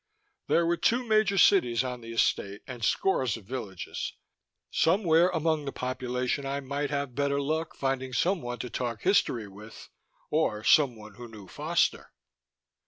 There were two major cities on the Estate and scores of villages. Somewhere among the population I might have better luck finding someone to talk history with ... or someone who knew Foster.